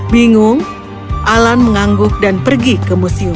bingung alan mengangguk dan pergi ke museum